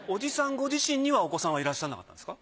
ご自身にはお子さんはいらっしゃらなかったんですか？